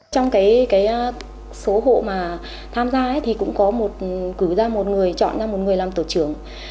trong số hộ mà tham gia thì cũng có một cử ra một người chọn ra một người làm tổ trưởng